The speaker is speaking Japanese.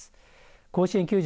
甲子園球場